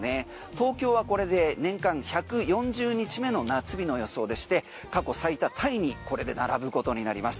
東京はこれで年間１４０日目の夏日の予想でして過去最多タイにこれで並ぶことになります。